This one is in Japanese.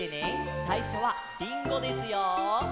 さいしょは「りんご」ですよ。